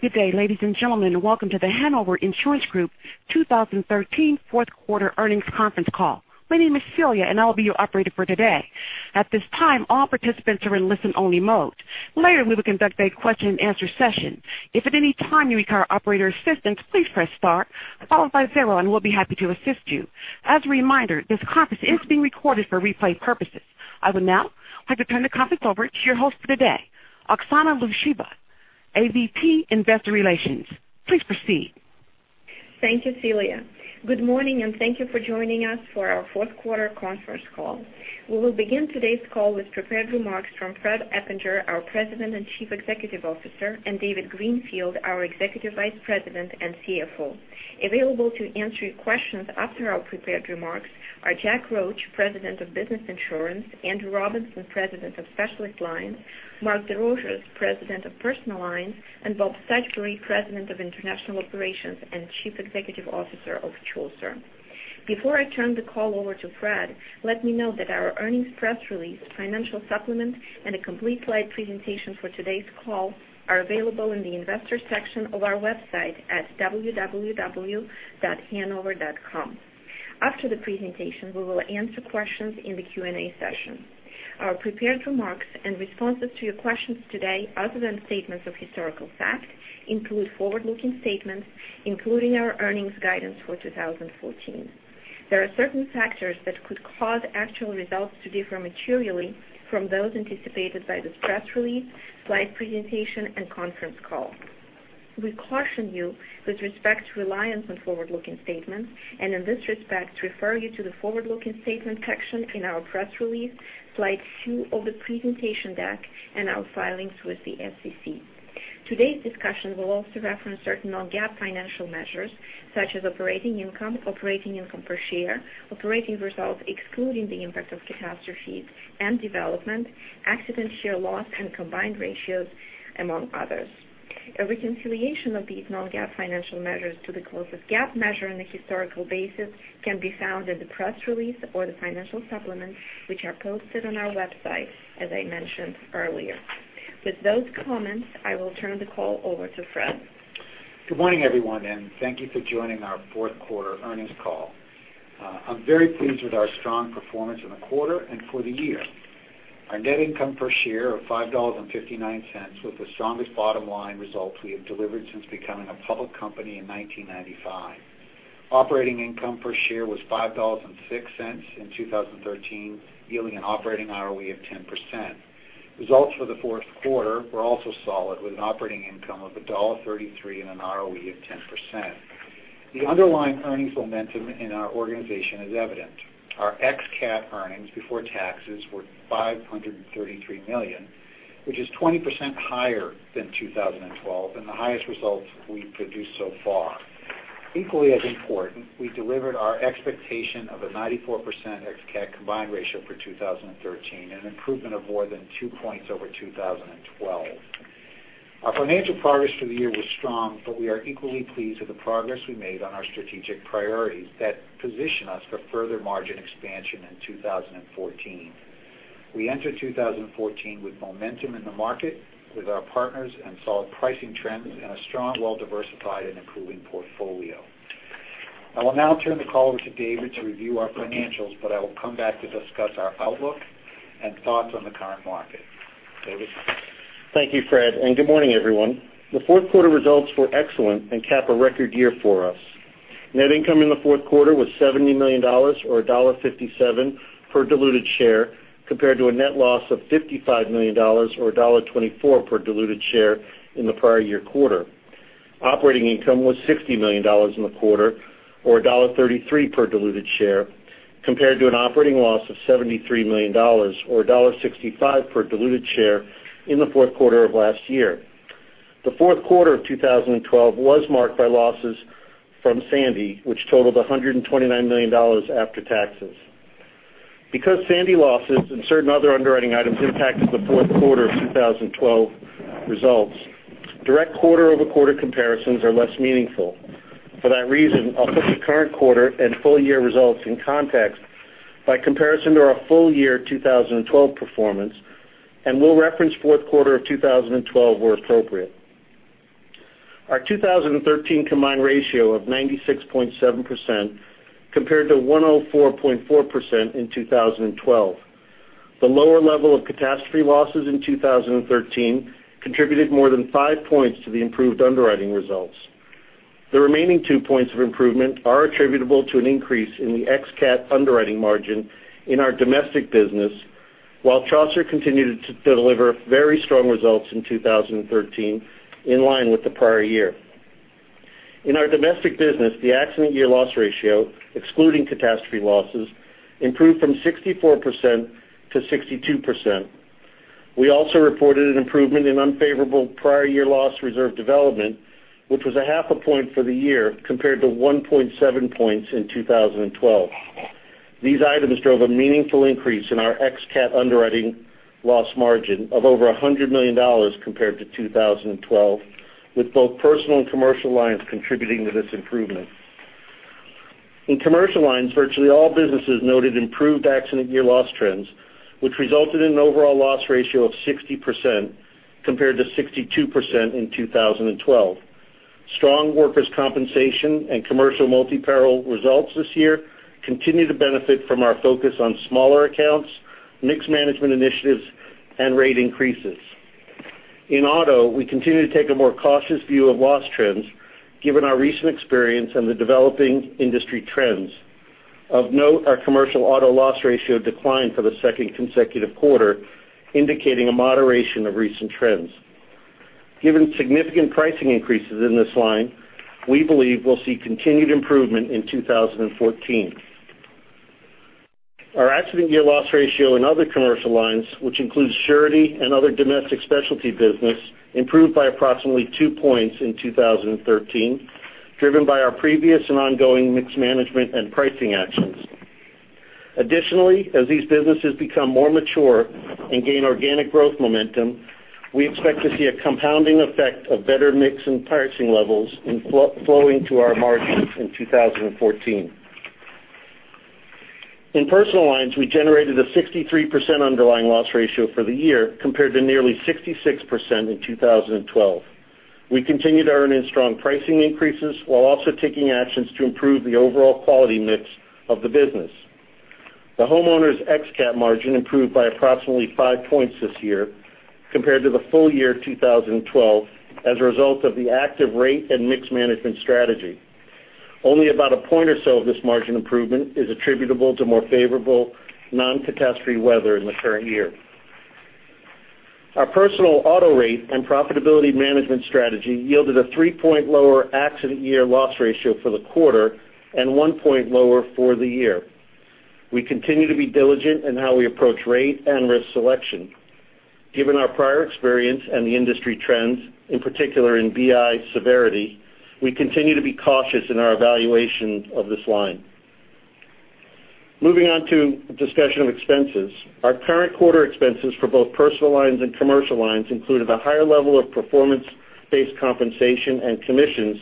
Good day, ladies and gentlemen. Welcome to The Hanover Insurance Group 2013 fourth quarter earnings conference call. My name is Celia, and I'll be your operator for today. At this time, all participants are in listen only mode. Later, we will conduct a question and answer session. If at any time you require operator assistance, please press star followed by zero and we'll be happy to assist you. As a reminder, this conference is being recorded for replay purposes. I will now like to turn the conference over to your host for today, Oksana Lukasheva, AVP, Investor Relations. Please proceed. Thank you, Celia. Good morning, and thank you for joining us for our fourth quarter conference call. We will begin today's call with prepared remarks from Fred Eppinger, our President and Chief Executive Officer, and David Greenfield, our Executive Vice President and CFO. Available to answer your questions after our prepared remarks are Jack Roche, President of Business Insurance, Andrew Robinson, President of Specialist Lines, Marita Zuraitis, President of Personal Lines, and Robert Stuchbery, President of International Operations and Chief Executive Officer of Chaucer. Before I turn the call over to Fred, let me note that our earnings press release, financial supplement, and a complete slide presentation for today's call are available in the investors section of our website at www.hanover.com. After the presentation, we will answer questions in the Q&A session. Our prepared remarks and responses to your questions today, other than statements of historical fact, include forward-looking statements, including our earnings guidance for 2014. There are certain factors that could cause actual results to differ materially from those anticipated by this press release, slide two of the presentation deck, and our filings with the SEC. We caution you with respect to reliance on forward-looking statements and in this respect refer you to the forward-looking statements section in our press release, slide two of the presentation deck, and our filings with the SEC. Today's discussion will also reference certain non-GAAP financial measures such as operating income, operating income per share, operating results excluding the impact of catastrophes and development, accident year loss, and combined ratios, among others. A reconciliation of these non-GAAP financial measures to the closest GAAP measure on a historical basis can be found in the press release or the financial supplement, which are posted on our website, as I mentioned earlier. With those comments, I will turn the call over to Fred. Good morning, everyone, and thank you for joining our fourth quarter earnings call. I'm very pleased with our strong performance in the quarter and for the year. Our net income per share of $5.59 was the strongest bottom-line result we have delivered since becoming a public company in 1995. Operating income per share was $5.06 in 2013, yielding an operating ROE of 10%. Results for the fourth quarter were also solid, with an operating income of $1.33 and an ROE of 10%. The underlying earnings momentum in our organization is evident. Our ex-cat earnings before taxes were $533 million, which is 20% higher than 2012 and the highest results we've produced so far. Equally as important, we delivered our expectation of a 94% ex-cat combined ratio for 2013, an improvement of more than two points over 2012. Our financial progress for the year was strong. We are equally pleased with the progress we made on our strategic priorities that position us for further margin expansion in 2014. We enter 2014 with momentum in the market with our partners and solid pricing trends and a strong, well-diversified, and improving portfolio. I will now turn the call over to David to review our financials. I will come back to discuss our outlook and thoughts on the current market. David? Thank you, Fred, and good morning, everyone. The fourth quarter results were excellent and cap a record year for us. Net income in the fourth quarter was $70 million, or $1.57 per diluted share, compared to a net loss of $55 million or $1.24 per diluted share in the prior year quarter. Operating income was $60 million in the quarter, or $1.33 per diluted share, compared to an operating loss of $73 million or $1.65 per diluted share in the fourth quarter of last year. The fourth quarter of 2012 was marked by losses from Sandy, which totaled $129 million after taxes. Because Sandy losses and certain other underwriting items impacted the fourth quarter of 2012 results, direct quarter-over-quarter comparisons are less meaningful. For that reason, I'll put the current quarter and full-year results in context by comparison to our full-year 2012 performance and will reference fourth quarter of 2012 where appropriate. Our 2013 combined ratio of 96.7% compared to 104.4% in 2012. The lower level of catastrophe losses in 2013 contributed more than five points to the improved underwriting results. The remaining two points of improvement are attributable to an increase in the ex-cat underwriting margin in our domestic business while Chaucer continued to deliver very strong results in 2013, in line with the prior year. In our domestic business, the accident year loss ratio, excluding catastrophe losses, improved from 64% to 62%. We also reported an improvement in unfavorable prior year loss reserve development, which was a half a point for the year compared to 1.7 points in 2012. These items drove a meaningful increase in our ex-cat underwriting loss margin of over $100 million compared to 2012, with both personal and commercial lines contributing to this improvement. In commercial lines, virtually all businesses noted improved accident year loss trends, which resulted in an overall loss ratio of 60% compared to 62% in 2012. Strong workers' compensation and commercial multi-peril results this year continue to benefit from our focus on smaller accounts, mixed management initiatives, and rate increases. In auto, we continue to take a more cautious view of loss trends given our recent experience and the developing industry trends. Of note, our commercial auto loss ratio declined for the second consecutive quarter, indicating a moderation of recent trends. Given significant pricing increases in this line, we believe we'll see continued improvement in 2014. Our accident year loss ratio in other commercial lines, which includes surety and other domestic specialty business, improved by approximately 2 points in 2013, driven by our previous and ongoing mixed management and pricing actions. Additionally, as these businesses become more mature and gain organic growth momentum, we expect to see a compounding effect of better mix and pricing levels flowing to our margins in 2014. In personal lines, we generated a 63% underlying loss ratio for the year compared to nearly 66% in 2012. We continued to earn in strong pricing increases while also taking actions to improve the overall quality mix of the business. The homeowner's ex-cat margin improved by approximately 5 points this year compared to the full year 2012, as a result of the active rate and mix management strategy. Only about 1 point or so of this margin improvement is attributable to more favorable non-catastrophe weather in the current year. Our personal auto rate and profitability management strategy yielded a 3-point lower accident year loss ratio for the quarter, and 1 point lower for the year. We continue to be diligent in how we approach rate and risk selection. Given our prior experience and the industry trends, in particular in BI severity, we continue to be cautious in our evaluation of this line. Moving on to a discussion of expenses. Our current quarter expenses for both personal lines and commercial lines included a higher level of performance-based compensation and commissions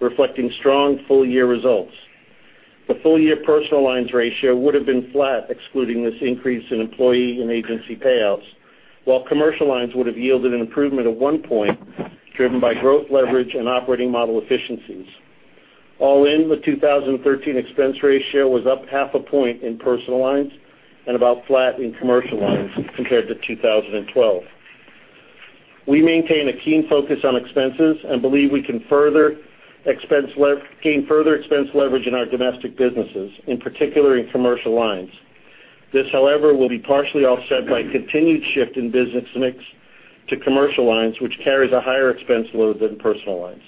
reflecting strong full-year results. The full-year personal lines ratio would've been flat, excluding this increase in employee and agency payouts, while commercial lines would've yielded an improvement of 1 point driven by growth leverage and operating model efficiencies. All in the 2013 expense ratio was up 0.5 points in personal lines and about flat in commercial lines compared to 2012. We maintain a keen focus on expenses and believe we can gain further expense leverage in our domestic businesses, in particular, in commercial lines. This, however, will be partially offset by continued shift in business mix to commercial lines, which carries a higher expense load than personal lines.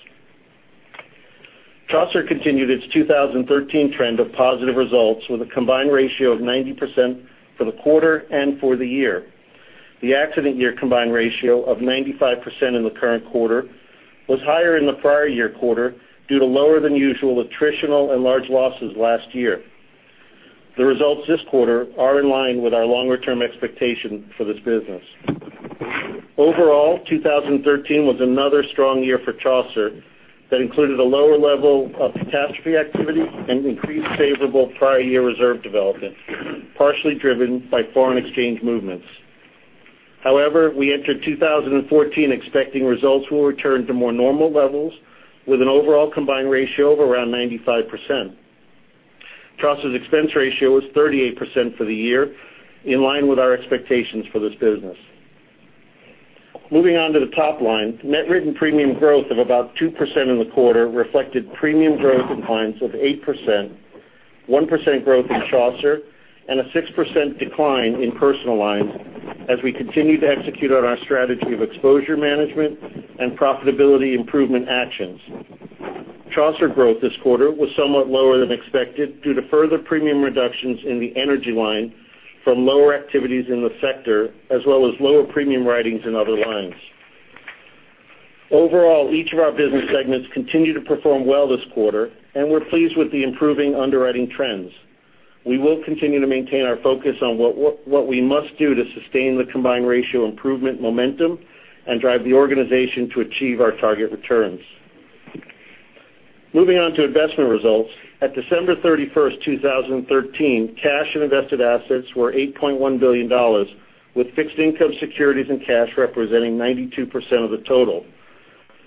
Chaucer continued its 2013 trend of positive results with a combined ratio of 90% for the quarter and for the year. The accident year combined ratio of 95% in the current quarter was higher in the prior year quarter due to lower than usual attritional and large losses last year. The results this quarter are in line with our longer-term expectation for this business. Overall, 2013 was another strong year for Chaucer that included a lower level of catastrophe activity and increased favorable prior year reserve development, partially driven by foreign exchange movements. We entered 2014 expecting results will return to more normal levels with an overall combined ratio of around 95%. Chaucer's expense ratio was 38% for the year, in line with our expectations for this business. Moving on to the top line. Net written premium growth of about 2% in the quarter reflected premium growth in clients of 8%, 1% growth in Chaucer, and a 6% decline in Personal Lines as we continue to execute on our strategy of exposure management and profitability improvement actions. Chaucer growth this quarter was somewhat lower than expected due to further premium reductions in the energy line from lower activities in the sector, as well as lower premium writings in other lines. Each of our business segments continue to perform well this quarter, and we're pleased with the improving underwriting trends. We will continue to maintain our focus on what we must do to sustain the combined ratio improvement momentum and drive the organization to achieve our target returns. Moving on to investment results. At December 31st, 2013, cash and invested assets were $8.1 billion, with fixed income securities and cash representing 92% of the total.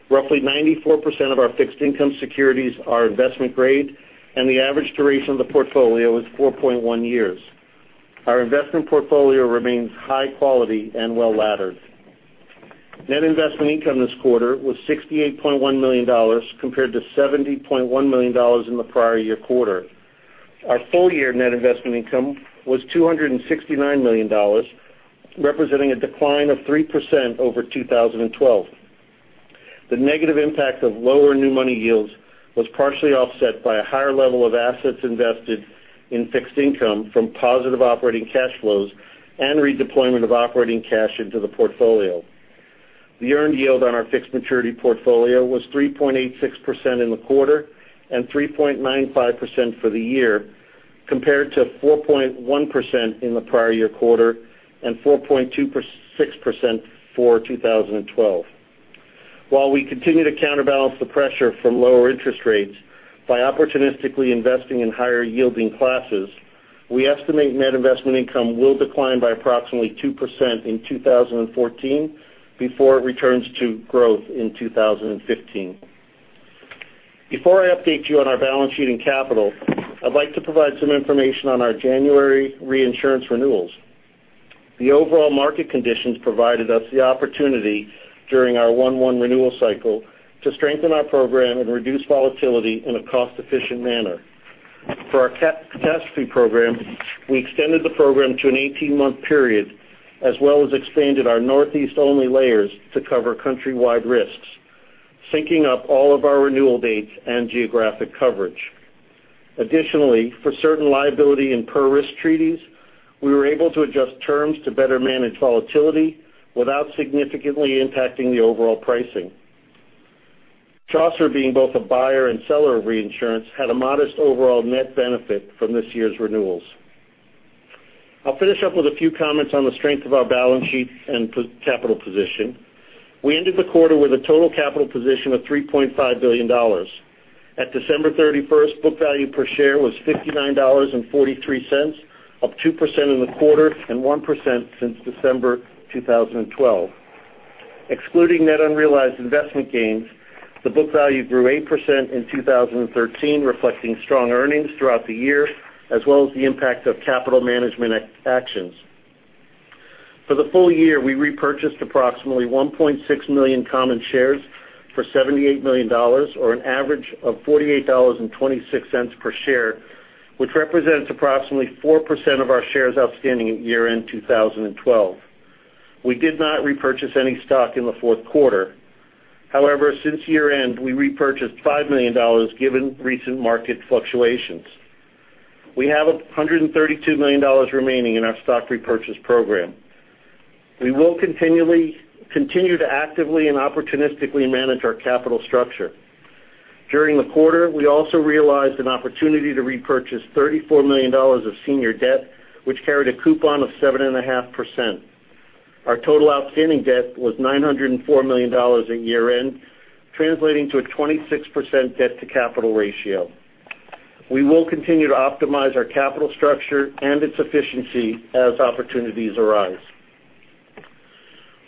Roughly 94% of our fixed income securities are investment grade, and the average duration of the portfolio is 4.1 years. Our investment portfolio remains high quality and well-laddered. Net investment income this quarter was $68.1 million compared to $70.1 million in the prior year quarter. Our full year net investment income was $269 million, representing a decline of 3% over 2012. The negative impact of lower new money yields was partially offset by a higher level of assets invested in fixed income from positive operating cash flows and redeployment of operating cash into the portfolio. The earned yield on our fixed maturity portfolio was 3.86% in the quarter and 3.95% for the year, compared to 4.1% in the prior year quarter and 4.26% for 2012. While we continue to counterbalance the pressure from lower interest rates by opportunistically investing in higher yielding classes, we estimate net investment income will decline by approximately 2% in 2014 before it returns to growth in 2015. Before I update you on our balance sheet and capital, I'd like to provide some information on our January reinsurance renewals. The overall market conditions provided us the opportunity during our 1/1 renewal cycle to strengthen our program and reduce volatility in a cost-efficient manner. For our catastrophe program, we extended the program to an 18-month period, as well as expanded our Northeast only layers to cover countrywide risks, syncing up all of our renewal dates and geographic coverage. Additionally, for certain liability and per risk treaties, we were able to adjust terms to better manage volatility without significantly impacting the overall pricing. Chaucer, being both a buyer and seller of reinsurance, had a modest overall net benefit from this year's renewals. I'll finish up with a few comments on the strength of our balance sheet and capital position. We ended the quarter with a total capital position of $3.5 billion. At December 31st, book value per share was $59.43, up 2% in the quarter and 1% since December 2012. Excluding net unrealized investment gains, the book value grew 8% in 2013, reflecting strong earnings throughout the year, as well as the impact of capital management actions. For the full year, we repurchased approximately 1.6 million common shares for $78 million, or an average of $48.26 per share, which represents approximately 4% of our shares outstanding at year-end 2012. We did not repurchase any stock in the fourth quarter. However, since year-end, we repurchased $5 million, given recent market fluctuations. We have $132 million remaining in our stock repurchase program. We will continue to actively and opportunistically manage our capital structure. During the quarter, we also realized an opportunity to repurchase $34 million of senior debt, which carried a coupon of 7.5%. Our total outstanding debt was $904 million at year-end, translating to a 26% debt to capital ratio. We will continue to optimize our capital structure and its efficiency as opportunities arise.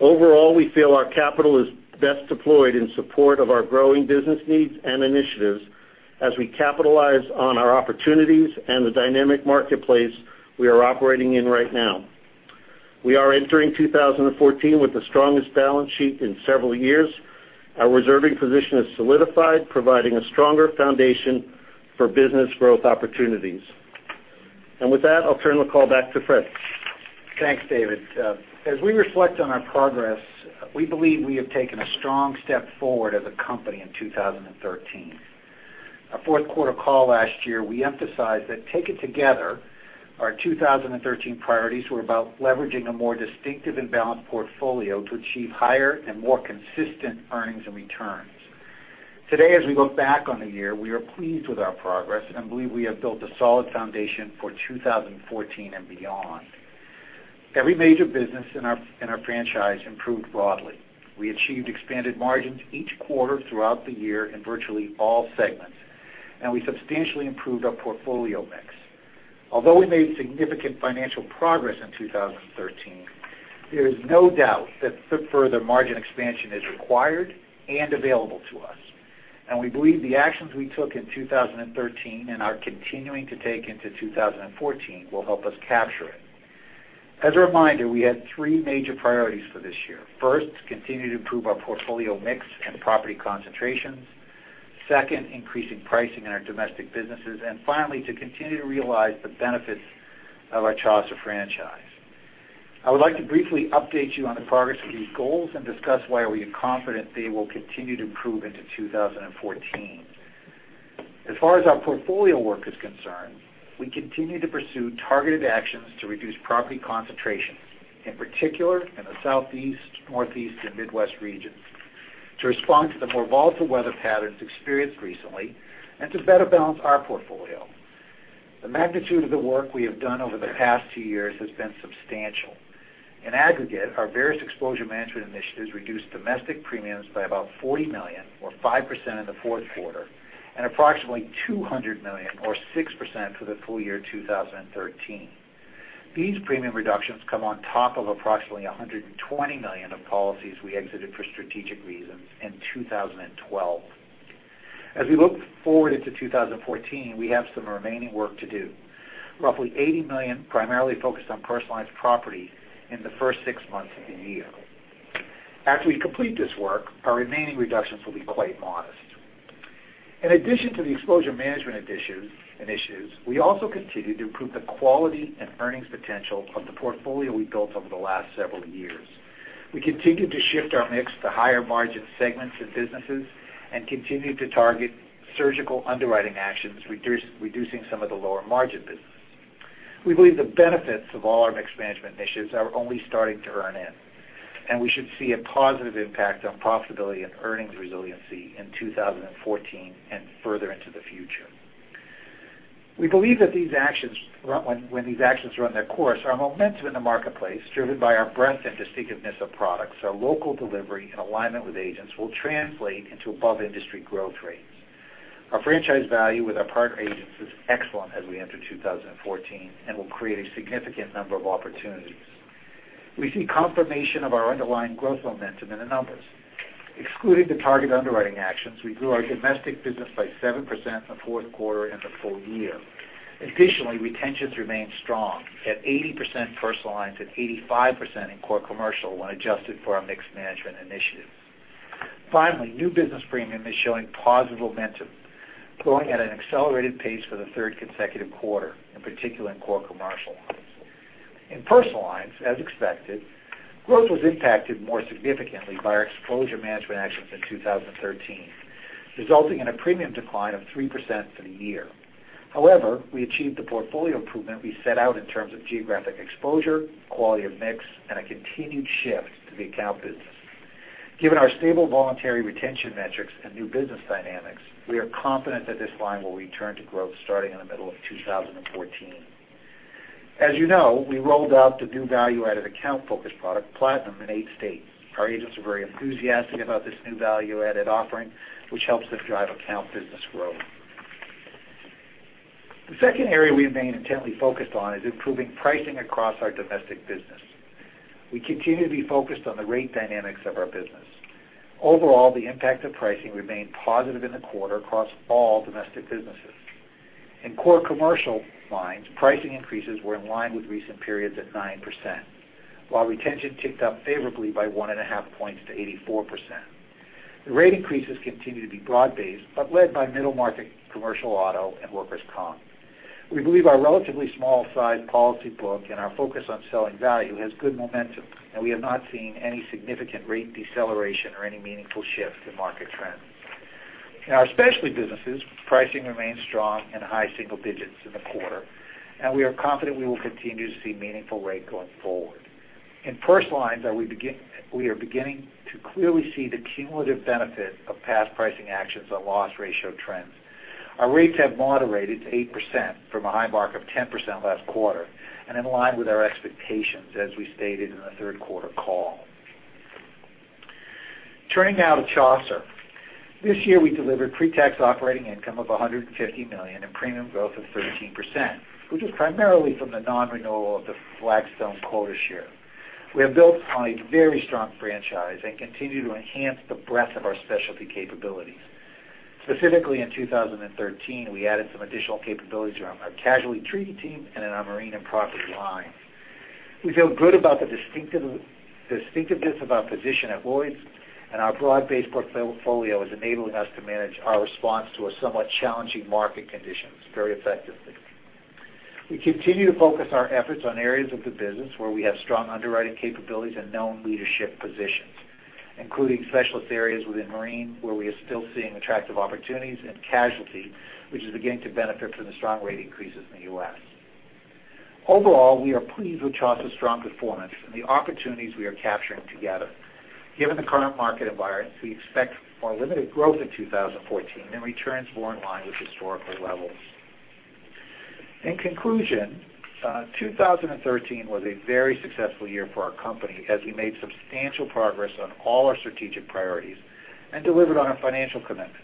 Overall, we feel our capital is best deployed in support of our growing business needs and initiatives as we capitalize on our opportunities and the dynamic marketplace we are operating in right now. We are entering 2014 with the strongest balance sheet in several years. Our reserving position is solidified, providing a stronger foundation for business growth opportunities. With that, I'll turn the call back to Fred. Thanks, David. As we reflect on our progress, we believe we have taken a strong step forward as a company in 2013. Our fourth quarter call last year, we emphasized that taken together, our 2013 priorities were about leveraging a more distinctive and balanced portfolio to achieve higher and more consistent earnings and returns. Today, as we look back on the year, we are pleased with our progress and believe we have built a solid foundation for 2014 and beyond. Every major business in our franchise improved broadly. We achieved expanded margins each quarter throughout the year in virtually all segments, and we substantially improved our portfolio mix. Although we made significant financial progress in 2013, there is no doubt that further margin expansion is required and available to us, and we believe the actions we took in 2013 and are continuing to take into 2014 will help us capture it. As a reminder, we had three major priorities for this year. First, to continue to improve our portfolio mix and property concentrations. Second, increasing pricing in our domestic businesses. Finally, to continue to realize the benefits of our Chaucer franchise. I would like to briefly update you on the progress of these goals and discuss why we are confident they will continue to improve into 2014. As far as our portfolio work is concerned, we continue to pursue targeted actions to reduce property concentrations, in particular in the Southeast, Northeast, and Midwest regions, to respond to the more volatile weather patterns experienced recently and to better balance our portfolio. The magnitude of the work we have done over the past two years has been substantial. In aggregate, our various exposure management initiatives reduced domestic premiums by about $40 million, or 5% in the fourth quarter, and approximately $200 million, or 6%, for the full year 2013. These premium reductions come on top of approximately $120 million of policies we exited for strategic reasons in 2012. As we look forward into 2014, we have some remaining work to do. Roughly $80 million primarily focused on Personal Lines property in the first six months of the year. After we complete this work, our remaining reductions will be quite modest. In addition to the exposure management initiatives, we also continue to improve the quality and earnings potential of the portfolio we've built over the last several years. We continue to shift our mix to higher margin segments and businesses and continue to target surgical underwriting actions, reducing some of the lower margin business. We believe the benefits of all our mix management initiatives are only starting to earn in. We should see a positive impact on profitability and earnings resiliency in 2014 and further into the future. We believe that when these actions run their course, our momentum in the marketplace, driven by our breadth and distinctiveness of products, our local delivery and alignment with agents will translate into above-industry growth rates. Our franchise value with our partner agents is excellent as we enter 2014 and will create a significant number of opportunities. We see confirmation of our underlying growth momentum in the numbers. Excluding the target underwriting actions, we grew our domestic business by 7% in the fourth quarter and the full year. Additionally, retentions remain strong, at 80% in Personal Lines and 85% in Core Commercial when adjusted for our mixed management initiatives. Finally, new business premium is showing positive momentum, growing at an accelerated pace for the third consecutive quarter, in particular in Core Commercial Lines. In Personal Lines, as expected, growth was impacted more significantly by our exposure management actions in 2013, resulting in a premium decline of 3% for the year. However, we achieved the portfolio improvement we set out in terms of geographic exposure, quality of mix, and a continued shift to the account business. Given our stable voluntary retention metrics and new business dynamics, we are confident that this line will return to growth starting in the middle of 2014. As you know, we rolled out the new value-added account focus product, Platinum, in eight states. Our agents are very enthusiastic about this new value-added offering, which helps us drive account business growth. The second area we remain intently focused on is improving pricing across our domestic business. We continue to be focused on the rate dynamics of our business. Overall, the impact of pricing remained positive in the quarter across all domestic businesses. In Core Commercial Lines, pricing increases were in line with recent periods at 9%, while retention ticked up favorably by 1.5 points to 84%. The rate increases continue to be broad-based but led by middle market commercial auto and workers' comp. We believe our relatively small size policy book and our focus on selling value has good momentum. We have not seen any significant rate deceleration or any meaningful shift in market trends. In our specialty businesses, pricing remained strong in high single digits in the quarter. We are confident we will continue to see meaningful rate going forward. In personal lines, our rates have moderated to 8% from a high mark of 10% last quarter and in line with our expectations as we stated in the third quarter call. Turning now to Chaucer. This year, we delivered pre-tax operating income of $150 million and premium growth of 13%, which was primarily from the non-renewal of the Flagstone quota share. We have built a very strong franchise. We continue to enhance the breadth of our specialty capabilities. Specifically, in 2013, we added some additional capabilities around our casualty treaty team and in our marine and property lines. We feel good about the distinctiveness of our position at Lloyd's. Our broad-based portfolio is enabling us to manage our response to somewhat challenging market conditions very effectively. We continue to focus our efforts on areas of the business where we have strong underwriting capabilities and known leadership positions, including specialist areas within marine, where we are still seeing attractive opportunities, and casualty, which is beginning to benefit from the strong rate increases in the U.S. Overall, we are pleased with Chaucer's strong performance and the opportunities we are capturing together. Given the current market environment, we expect more limited growth in 2014 and returns more in line with historical levels. In conclusion, 2013 was a very successful year for our company as we made substantial progress on all our strategic priorities and delivered on our financial commitments.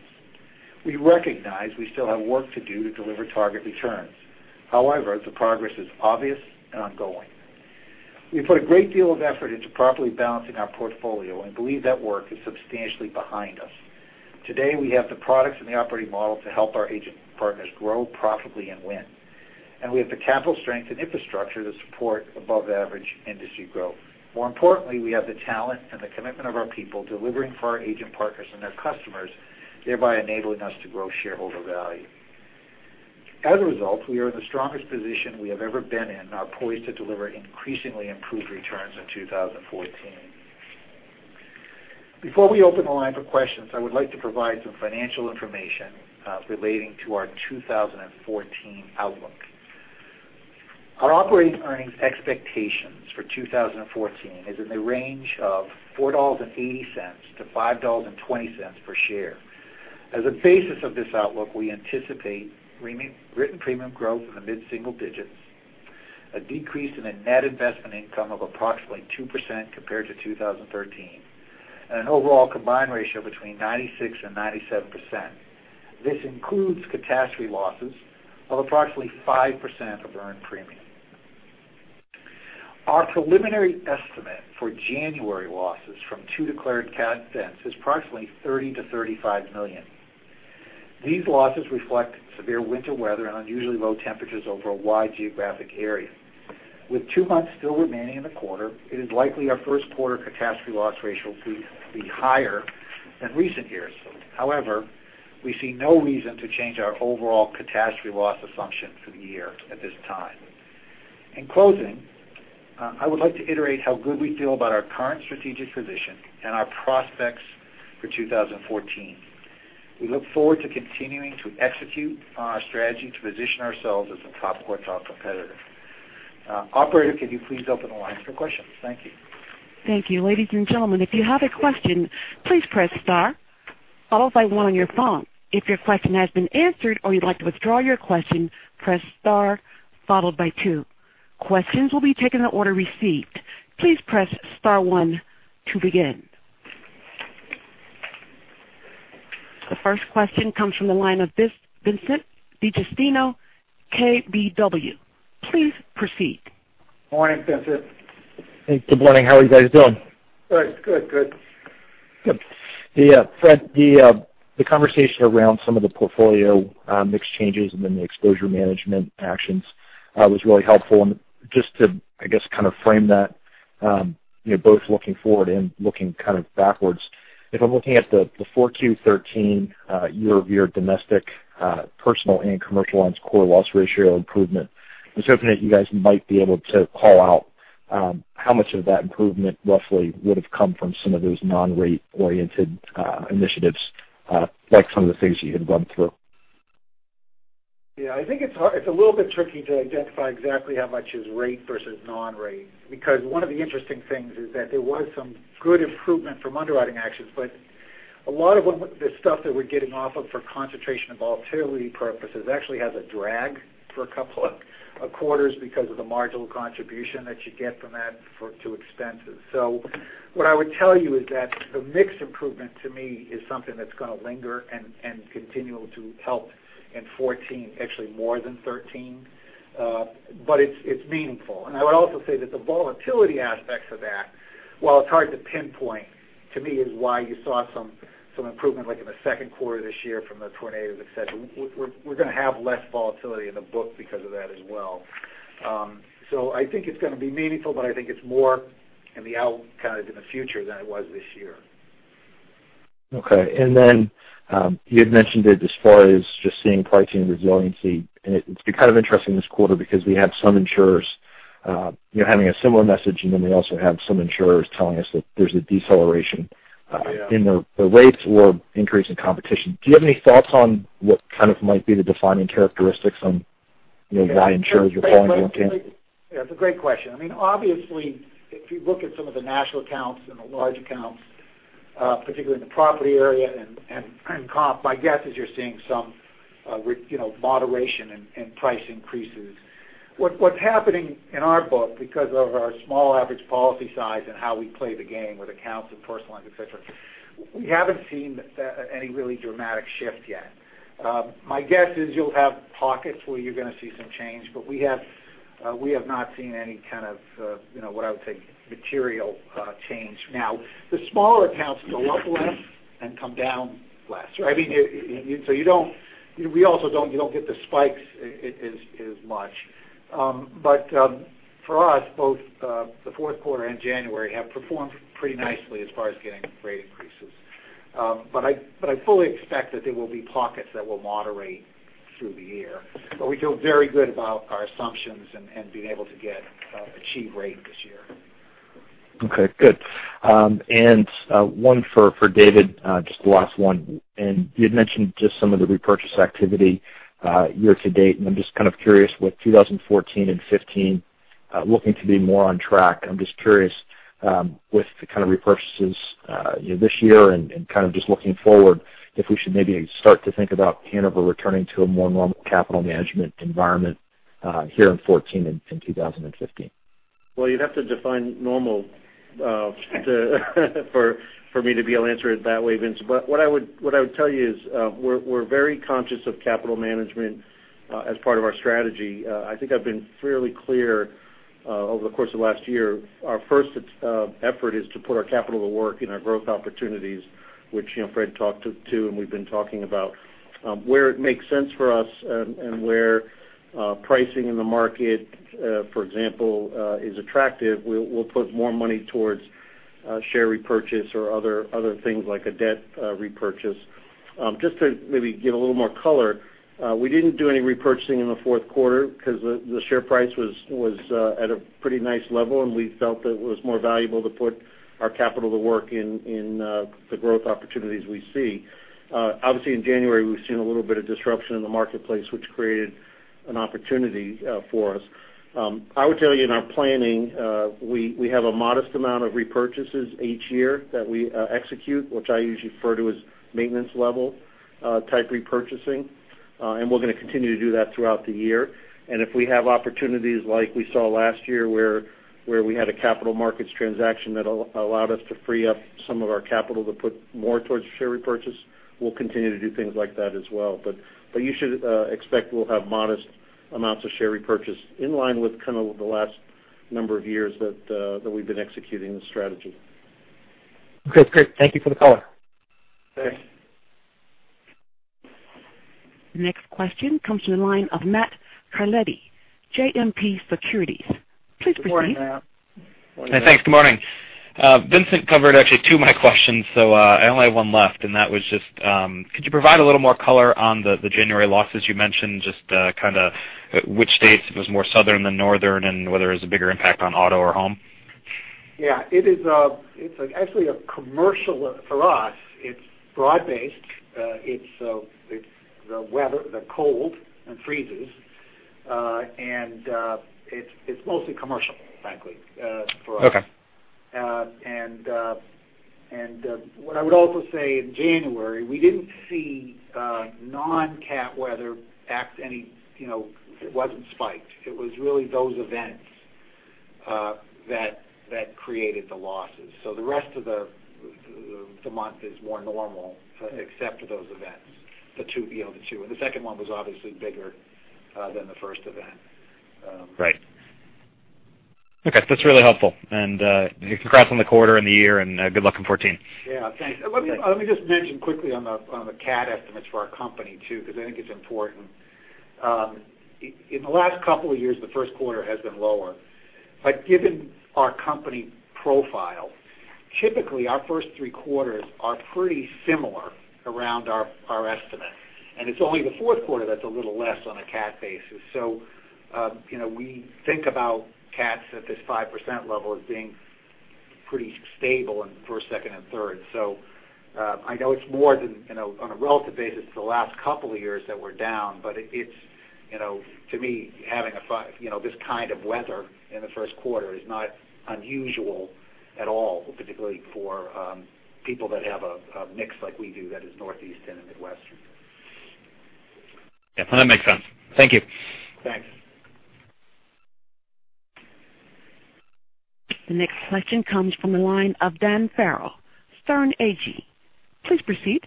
We recognize we still have work to do to deliver target returns. However, the progress is obvious and ongoing. We put a great deal of effort into properly balancing our portfolio and believe that work is substantially behind us. Today, we have the products and the operating model to help our agent partners grow profitably and win. We have the capital strength and infrastructure to support above-average industry growth. More importantly, we have the talent and the commitment of our people delivering for our agent partners and their customers, thereby enabling us to grow shareholder value. As a result, we are in the strongest position we have ever been in and are poised to deliver increasingly improved returns in 2014. Before we open the line for questions, I would like to provide some financial information relating to our 2014 outlook. Our operating earnings expectations for 2014 is in the range of $4.80 to $5.20 per share. As a basis of this outlook, we anticipate written premium growth in the mid-single digits, a decrease in the net investment income of approximately 2% compared to 2013. An overall combined ratio between 96% and 97%. This includes catastrophe losses of approximately 5% of earned premium. Our preliminary estimate for January losses from two declared cat events is approximately $30 million-$35 million. These losses reflect severe winter weather and unusually low temperatures over a wide geographic area. With two months still remaining in the quarter, it is likely our first quarter catastrophe loss ratio will be higher than recent years. We see no reason to change our overall catastrophe loss assumption for the year at this time. In closing, I would like to iterate how good we feel about our current strategic position and our prospects for 2014. We look forward to continuing to execute on our strategy to position ourselves as a top quartile competitor. Operator, could you please open the lines for questions? Thank you. Thank you. Ladies and gentlemen, if you have a question, please press star, followed by one on your phone. If your question has been answered or you'd like to withdraw your question, press star, followed by two. Questions will be taken in the order received. Please press star one to begin. The first question comes from the line of Vincent DiGiustino, KBW. Please proceed. Morning, Vincent. Good morning. How are you guys doing? Good. Good. Fred, the conversation around some of the portfolio mix changes and then the exposure management actions was really helpful. Just to, I guess, kind of frame that, both looking forward and looking kind of backwards, if I'm looking at the 4 Q 2013 year-over-year domestic personal and commercial lines core loss ratio improvement, I was hoping that you guys might be able to call out how much of that improvement roughly would've come from some of those non-rate oriented initiatives, like some of the things you had run through. Yeah, I think it's a little bit tricky to identify exactly how much is rate versus non-rate, because one of the interesting things is that there was some good improvement from underwriting actions, but a lot of the stuff that we're getting off of for concentration and volatility purposes actually has a drag for a couple of quarters because of the marginal contribution that you get from that to expenses. What I would tell you is that the mix improvement to me is something that's going to linger and continue to help in 2014, actually more than 2013. It's meaningful. I would also say that the volatility aspects of that, while it's hard to pinpoint, to me, is why you saw some improvement like in the second quarter of this year from the tornadoes, et cetera. We're going to have less volatility in the book because of that as well. I think it's going to be meaningful, but I think it's more in the future than it was this year. Okay. Then, you had mentioned it as far as just seeing pricing resiliency, and it's been kind of interesting this quarter because we have some insurers having a similar message, and then we also have some insurers telling us that there's a deceleration- Yeah in their rates or increase in competition. Do you have any thoughts on what kind of might be the defining characteristics on why insurers are calling one thing? Yeah, it's a great question. Obviously, if you look at some of the national accounts and the large accounts, particularly in the property area and comp, my guess is you're seeing some moderation in price increases. What's happening in our book, because of our small average policy size and how we play the game with accounts and personal lines, et cetera, we haven't seen any really dramatic shift yet. My guess is you'll have pockets where you're going to see some change, but we have not seen any kind of, what I would say, material change. The smaller accounts go up less and come down less. We also don't get the spikes as much. For us, both the fourth quarter and January have performed pretty nicely as far as getting rate increases. I fully expect that there will be pockets that will moderate through the year, but we feel very good about our assumptions and being able to achieve rate this year. Okay, good. One for David, just the last one. You had mentioned just some of the repurchase activity year to date, and I'm just kind of curious with 2014 and 2015 looking to be more on track, I'm just kind of curious with the kind of repurchases this year and kind of just looking forward, if we should maybe start to think about Hanover returning to a more normal capital management environment here in 2014 and 2015. Well, you'd have to define normal for me to be able to answer it that way, Vincent. What I would tell you is we're very conscious of capital management as part of our strategy. I think I've been fairly clear over the course of last year, our first effort is to put our capital to work in our growth opportunities, which Fred talked to, and we've been talking about. Where it makes sense for us and where pricing in the market, for example, is attractive, we'll put more money towards share repurchase or other things like a debt repurchase. Just to maybe give a little more color, we didn't do any repurchasing in the fourth quarter because the share price was at a pretty nice level, and we felt that it was more valuable to put our capital to work in the growth opportunities we see. Obviously, in January, we've seen a little bit of disruption in the marketplace, which created an opportunity for us. I would tell you in our planning, we have a modest amount of repurchases each year that we execute, which I usually refer to as maintenance level type repurchasing. We're going to continue to do that throughout the year. If we have opportunities like we saw last year where we had a capital markets transaction that allowed us to free up some of our capital to put more towards share repurchase, we'll continue to do things like that as well. You should expect we'll have modest amounts of share repurchase in line with kind of the last number of years that we've been executing this strategy. Okay, great. Thank you for the color. Thanks. Next question comes from the line of Matthew Carletti, JMP Securities. Please proceed. Good morning, Matt. Thanks. Good morning. Vincent covered actually two of my questions. I only have one left, and that was just, could you provide a little more color on the January losses you mentioned, just kind of which states, if it was more southern than northern, and whether it was a bigger impact on auto or home? Yeah. It's actually commercial for us. It's broad-based. It's the weather, the cold, and freezes. It's mostly commercial, frankly, for us. Okay. What I would also say, in January, we didn't see non-cat weather act. It wasn't spiked. It was really those events that created the losses. The rest of the month is more normal except for those events, the two. The second one was obviously bigger than the first event. Right. Okay. That's really helpful. Good luck on the quarter and the year, and good luck in 2014. Yeah. Thanks. Let me just mention quickly on the cat estimates for our company, too, because I think it's important. In the last couple of years, the first quarter has been lower. Given our company profile, typically, our first three quarters are pretty similar around our estimate. It's only the fourth quarter that's a little less on a cat basis. We think about cats at this 5% level as being pretty stable in the first, second, and third. I know it's more than, on a relative basis, the last couple of years that we're down, but to me, having this kind of weather in the first quarter is not unusual at all, particularly for people that have a mix like we do that is Northeast and in the Midwest. Yeah. No, that makes sense. Thank you. Thanks. The next question comes from the line of Dan Farrell, Sterne Agee. Please proceed.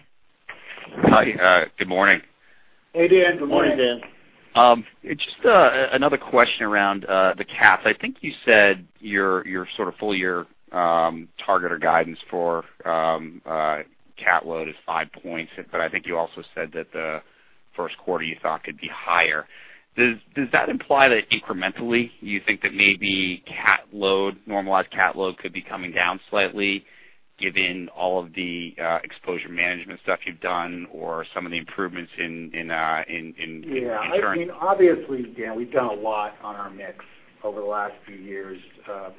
Hi. Good morning. Hey, Dan. Good morning, Dan. Just another question around the cats. I think you said your sort of full-year target or guidance for cat load is five points, but I think you also said that the first quarter you thought could be higher. Does that imply that incrementally you think that maybe normalized cat load could be coming down slightly given all of the exposure management stuff you've done or some of the improvements in turn? Yeah. Obviously, Dan, we've done a lot on our mix over the last few years.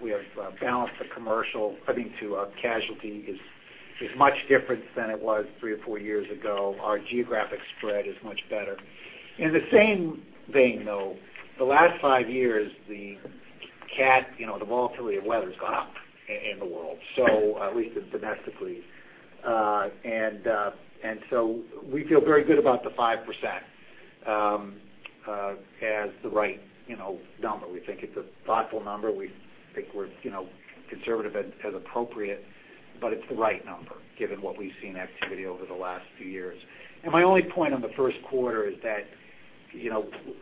We have balanced the commercial. I think to our casualty is much different than it was three or four years ago. Our geographic spread is much better. In the same vein, though, the last five years, the cat, the volatility of weather's gone up in the world, at least domestically. So we feel very good about the 5% as the right number. We think it's a thoughtful number. We think we're conservative as appropriate, but it's the right number given what we've seen activity over the last few years. My only point on the first quarter is that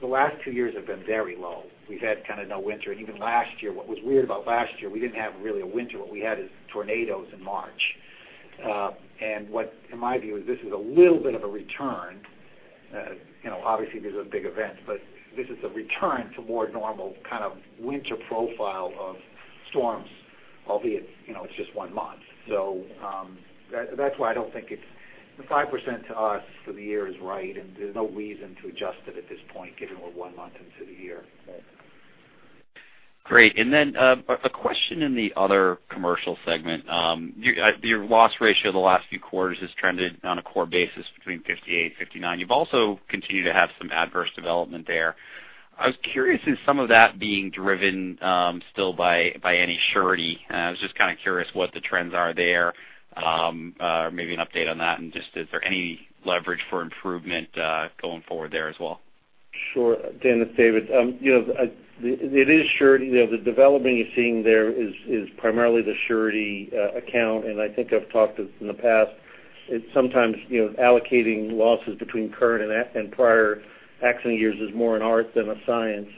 the last two years have been very low. We've had kind of no winter. Even last year, what was weird about last year, we didn't have really a winter. What we had is tornadoes in March. What in my view is this is a little bit of a return. Obviously, these are big events, but this is a return to more normal kind of winter profile of storms, albeit it's just one month. That's why I don't think it's the 5% to us for the year is right, and there's no reason to adjust it at this point, given we're one month into the year. Great. A question in the other commercial segment. Your loss ratio the last few quarters has trended on a core basis between 58 and 59. You've also continued to have some adverse development there. I was curious, is some of that being driven still by any surety? I was just kind of curious what the trends are there. Maybe an update on that and just is there any leverage for improvement going forward there as well? Sure. Dan, it's David. It is surety. The development you're seeing there is primarily the surety account. I think I've talked in the past, it's sometimes allocating losses between current and prior accident years is more an art than a science.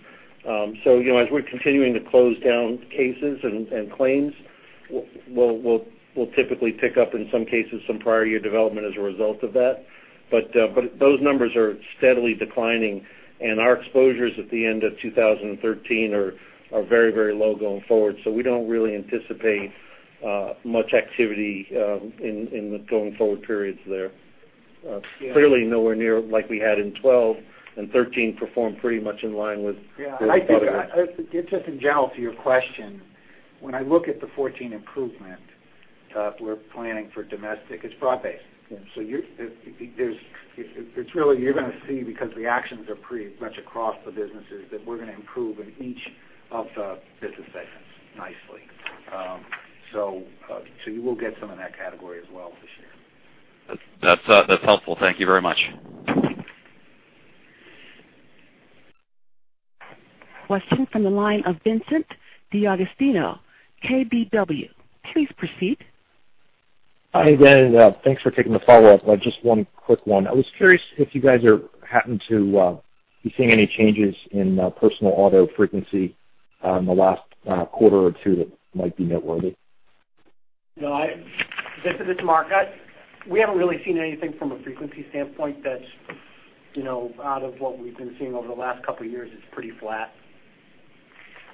As we're continuing to close down cases and claims, we'll typically pick up, in some cases, some prior year development as a result of that. Those numbers are steadily declining, and our exposures at the end of 2013 are very low going forward. We don't really anticipate much activity in the going forward periods there. Clearly nowhere near like we had in 2012 and 2013 performed pretty much in line with. Yeah. Just in general to your question, when I look at the 2014 improvement we're planning for domestic, it's broad-based. Yeah. You're going to see because the actions are pretty much across the businesses, that we're going to improve in each of the business segments nicely. You will get some in that category as well this year. That's helpful. Thank you very much. Question from the line of Vincent D'Agostino, KBW. Please proceed. Hi, Dan. Thanks for taking the follow-up. Just one quick one. I was curious if you guys happen to be seeing any changes in personal auto frequency in the last quarter or two that might be noteworthy. No. Vincent, this is Marita. We haven't really seen anything from a frequency standpoint that's out of what we've been seeing over the last couple of years. It's pretty flat.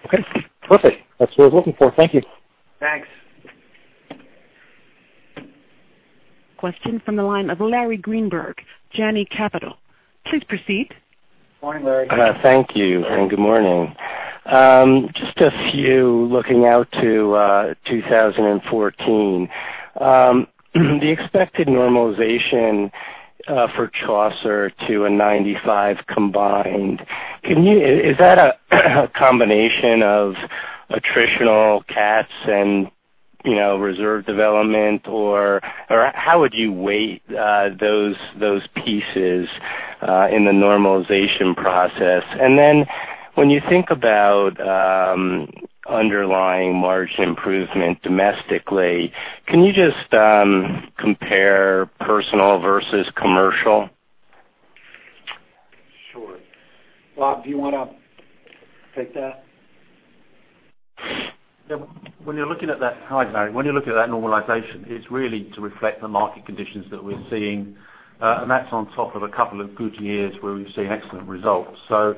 Okay, perfect. That's what I was looking for. Thank you. Thanks. Question from the line of Larry Greenberg, Janney Capital. Please proceed. Morning, Larry. Thank you. Good morning. Just a few, looking out to 2014. The expected normalization for Chaucer to a 95 combined, is that a combination of attritional cats and reserve development, or how would you weight those pieces in the normalization process? When you think about underlying margin improvement domestically, can you just compare personal versus commercial? Sure. Bob, do you want to take that? Yeah. Hi, Larry. When you're looking at that normalization, it's really to reflect the market conditions that we're seeing. That's on top of a couple of good years where we've seen excellent results. I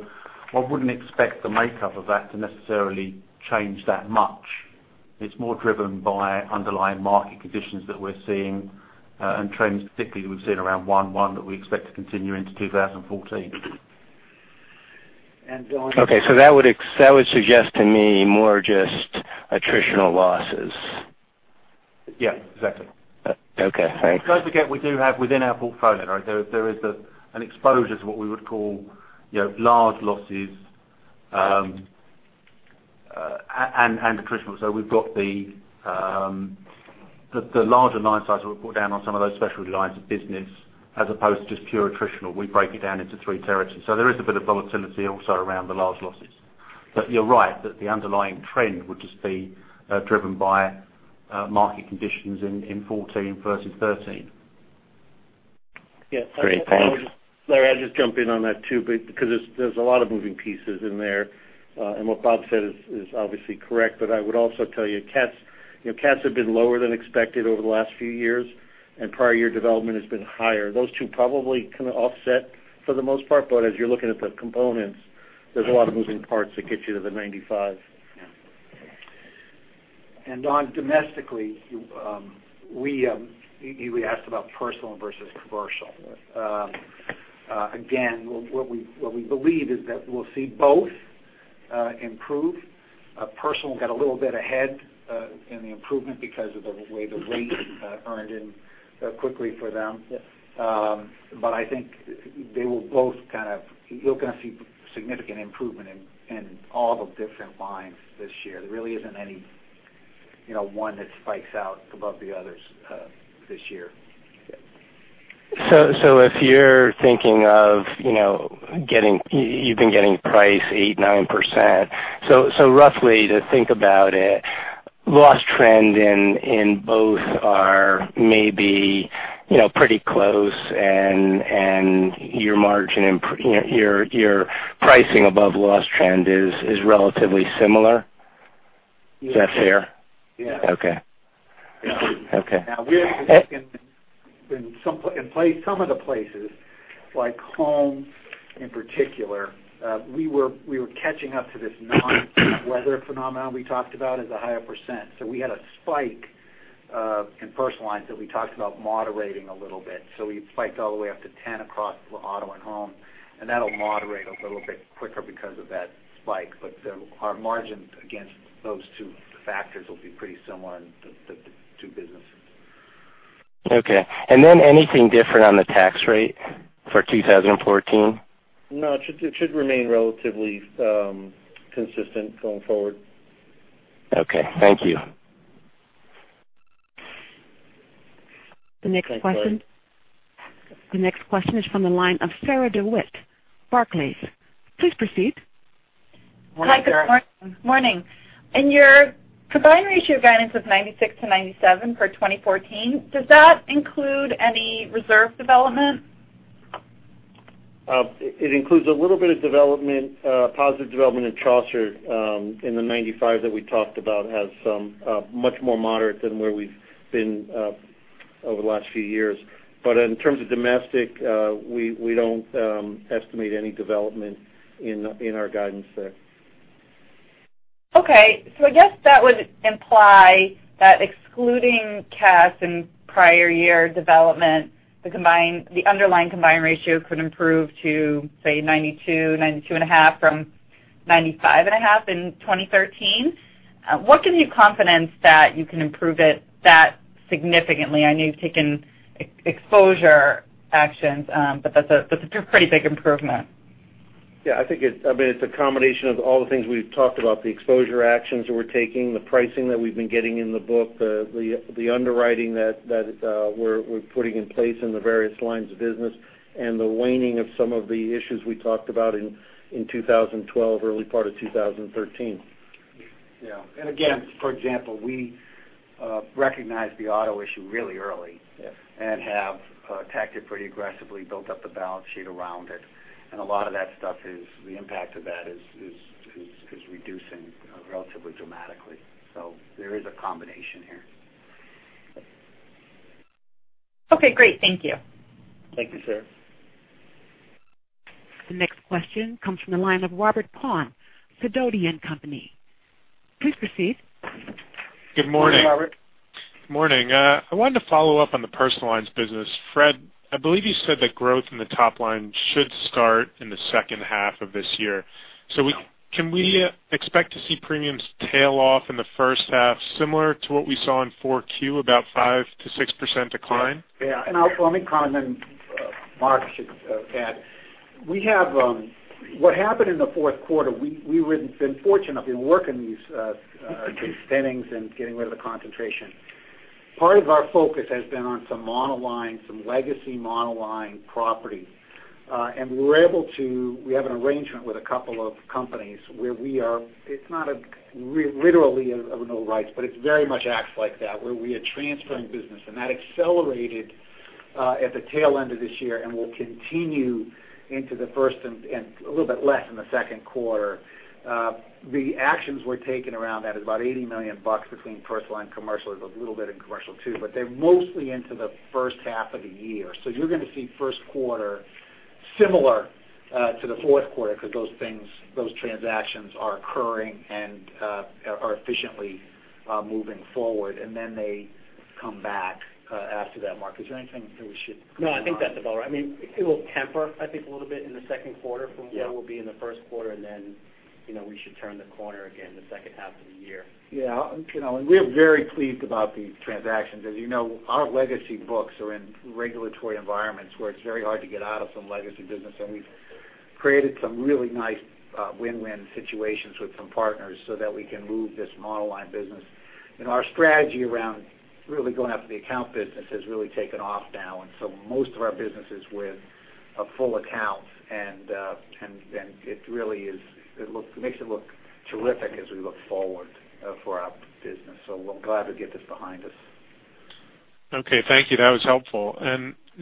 wouldn't expect the makeup of that to necessarily change that much. It's more driven by underlying market conditions that we're seeing, and trends particularly that we've seen around 1/1 that we expect to continue into 2014. Don. Okay. That would suggest to me more just attritional losses. Yeah, exactly. Okay, thanks. Don't forget, we do have within our portfolio, there is an exposure to what we would call large losses and attritional. We've got the larger line size that we put down on some of those specialty lines of business as opposed to just pure attritional. We break it down into three territories. There is a bit of volatility also around the large losses. You're right, that the underlying trend would just be driven by market conditions in 2014 versus 2013. Great, thanks. Larry, I'll just jump in on that too, because there's a lot of moving pieces in there. What Bob said is obviously correct, but I would also tell you cats have been lower than expected over the last few years, and prior year development has been higher. Those two probably kind of offset for the most part, but as you're looking at the components, there's a lot of moving parts that get you to the 95. Yeah. Don, domestically, you asked about personal versus commercial. Yes. What we believe is that we'll see both improve. Personal got a little bit ahead in the improvement because of the way the rate earned in quickly for them. Yes. I think you're going to see significant improvement in all the different lines this year. There really isn't any one that spikes out above the others this year. If you're thinking of you've been getting price eight, nine %. Roughly to think about it, loss trend in both are maybe pretty close and your pricing above loss trend is relatively similar. Is that fair? Yeah. Okay. Now we have been in some of the places like Home in particular, we were catching up to this non-weather phenomenon we talked about as a higher %. We had a spike in Personal Lines that we talked about moderating a little bit. We spiked all the way up to 10 across Auto and Home, and that'll moderate a little bit quicker because of that spike. Our margins against those two factors will be pretty similar in the two businesses. Okay. Anything different on the tax rate for 2014? No, it should remain relatively consistent going forward. Okay. Thank you. The next question is from the line of Sarah DeWitt, Barclays. Please proceed. Morning, Sarah. Hi guys. Morning. In your combined ratio guidance of 96-97 for 2014, does that include any reserve development? It includes a little bit of positive development in Chaucer in the 95 that we talked about as much more moderate than where we've been over the last few years. In terms of domestic, we don't estimate any development in our guidance there. Okay. I guess that would imply that excluding cat and prior year development, the underlying combined ratio could improve to, say, 92-92 and a half from 95 and a half in 2013. What gives you confidence that you can improve it that significantly? I know you've taken exposure actions, that's a pretty big improvement. Yeah, I think it's a combination of all the things we've talked about, the exposure actions that we're taking, the pricing that we've been getting in the book, the underwriting that we're putting in place in the various lines of business, and the waning of some of the issues we talked about in 2012, early part of 2013. Yeah. Again, for example, we recognized the auto issue really early. Yes. Have attacked it pretty aggressively, built up the balance sheet around it. A lot of that stuff is the impact of that is reducing relatively dramatically. There is a combination here. Okay, great. Thank you. Thank you, Sarah. The next question comes from the line of Robert Pond, Dowling & Partners. Please proceed. Good morning. Good morning, Robert. Morning. I wanted to follow up on the personal lines business. Fred, I believe you said that growth in the top line should start in the second half of this year. Can we expect to see premiums tail off in the first half, similar to what we saw in 4Q, about 5%-6% decline? Let me comment, then Mark should add. What happened in the fourth quarter, we had been fortunate. I've been working these extendings and getting rid of the concentration. Part of our focus has been on some monoline, some legacy monoline property. We have an arrangement with a couple of companies where it's not literally of no rights, but it very much acts like that, where we are transferring business. That accelerated at the tail end of this year and will continue into the first and a little bit less in the second quarter. The actions we're taking around that is about $80 million between personal and commercial. It was a little bit in commercial too, but they're mostly into the first half of the year. You're going to see first quarter similar to the fourth quarter because those transactions are occurring and are efficiently moving forward, and then they come back after that. Mark, is there anything we should clarify? No, I think that's about right. It will temper, I think, a little bit in the second quarter. Yeah from where we'll be in the first quarter, then we should turn the corner again the second half of the year. Yeah. We're very pleased about the transactions. As you know, our legacy books are in regulatory environments where it's very hard to get out of some legacy business, and we've created some really nice win-win situations with some partners so that we can move this monoline business. Our strategy around really going after the account business has really taken off now. Most of our business is with full accounts, and it really makes it look terrific as we look forward for our business. We're glad to get this behind us. Okay, thank you. That was helpful.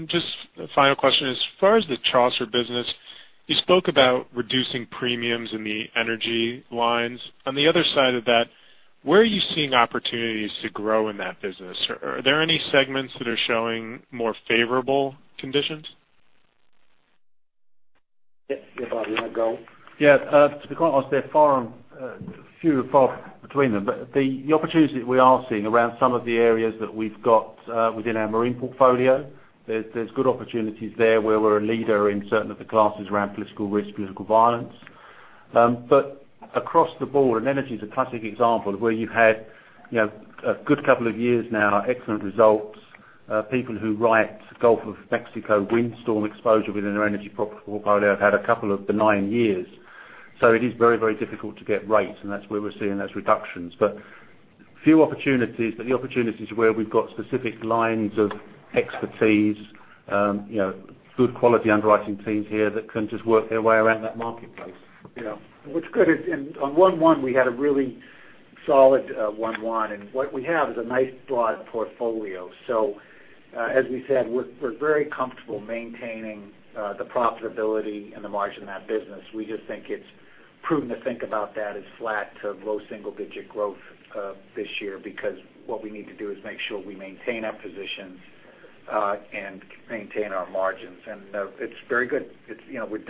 Just a final question. As far as the Chaucer business, you spoke about reducing premiums in the energy lines. On the other side of that, where are you seeing opportunities to grow in that business? Are there any segments that are showing more favorable conditions? Yeah. Bob, you want to go? Yeah. To be quite honest, they're far and few between them. The opportunities we are seeing around some of the areas that we've got within our marine portfolio, there's good opportunities there where we're a leader in certain of the classes around political risk, political violence. Across the board, and energy is a classic example of where you've had a good couple of years now, excellent results. People who write Gulf of Mexico windstorm exposure within their energy portfolio have had a couple of benign years. It is very difficult to get rates, and that's where we're seeing those reductions. Few opportunities, but the opportunities where we've got specific lines of expertise, good quality underwriting teams here that can just work their way around that marketplace. Yeah. What's good is on one-to-one, we had a really solid one-to-one, and what we have is a nice broad portfolio. As we said, we're very comfortable maintaining the profitability and the margin of that business. We just think it's prudent to think about that as flat to low single-digit growth this year because what we need to do is make sure we maintain our positions and maintain our margins. It's very good. We're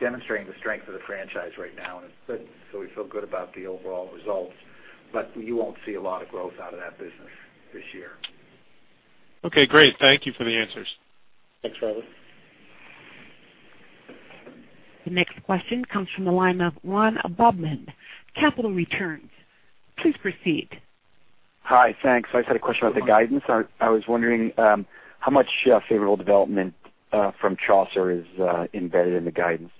demonstrating the strength of the franchise right now, it's good, we feel good about the overall results, but you won't see a lot of growth out of that business this year. Okay, great. Thank you for the answers. Thanks, Robert. The next question comes from the line of Ron Bobman, Capital Returns. Please proceed. Hi. Thanks. I just had a question about the guidance. I was wondering how much favorable development from Chaucer is embedded in the guidance.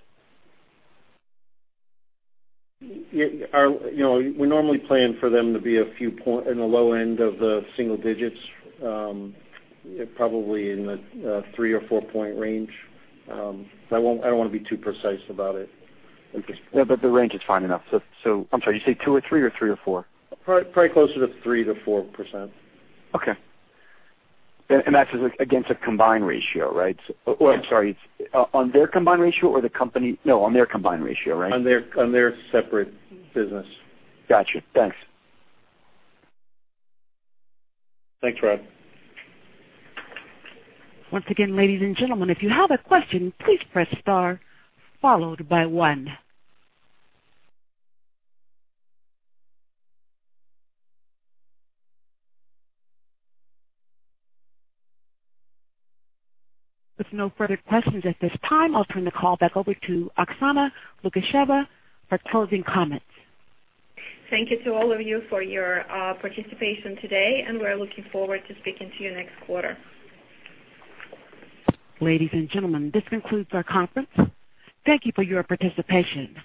We normally plan for them to be in the low end of the single digits, probably in the three or four-point range. I don't want to be too precise about it. Yeah, the range is fine enough. I'm sorry, did you say two or three, or three or four? Probably closer to 3%-4%. Okay. That is against a combined ratio, right? Yeah. Oh, I'm sorry. On their combined ratio or the company? No, on their combined ratio, right? On their separate business. Got you. Thanks. Thanks, Ron. Once again, ladies and gentlemen, if you have a question, please press star followed by one. With no further questions at this time, I'll turn the call back over to Oksana Lukasheva for closing comments. Thank you to all of you for your participation today, and we're looking forward to speaking to you next quarter. Ladies and gentlemen, this concludes our conference. Thank you for your participation.